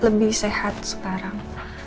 lebih sehat sekarang